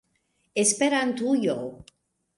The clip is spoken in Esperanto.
Esperantujo!